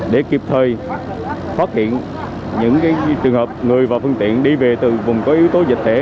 để kịp thời phát hiện những trường hợp người vào phương tiện đi về từ vùng có yếu tố dịch tễ